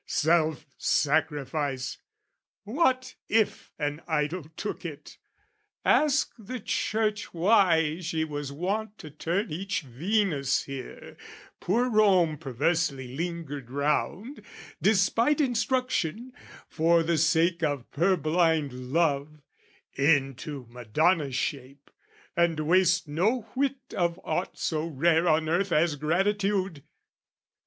Self sacrifice, What if an idol took it? Ask the Church Why she was wont to turn each Venus here, Poor Rome perversely lingered round, despite Instruction, for the sake of purblind love, Into Madonna's shape, and waste no whit Of aught so rare on earth as gratitude!